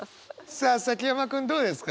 さあ崎山君どうですか？